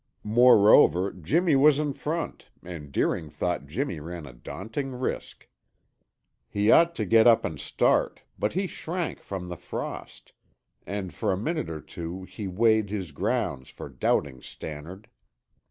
Moreover, Jimmy was in front, and Deering thought Jimmy ran a daunting risk. He ought to get up and start, but he shrank from the frost, and for a minute or two he weighed his grounds for doubting Stannard.